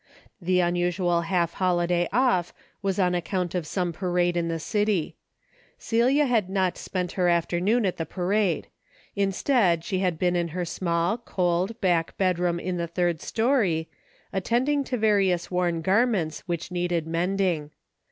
The un usual half day off was on account of some parade in the city. Celia had not spent her 3 4 DAILY EATEA' afternoon at the parade. Instead, she had been in her small, cold, back bedroom in the third story, attending to various worn garments Avhich needed mending.